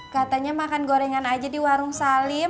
katanya makan gorengan aja di warung salim